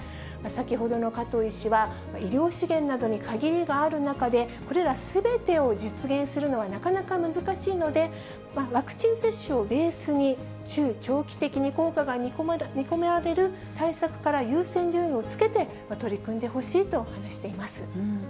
先ほどの加藤医師は、医療資源などに限りがある中で、これらすべてを実現するのはなかなか難しいので、ワクチン接種をベースに、中長期的に効果が認められる対策から優先順位をつけて、取り組んでほしいと話しています。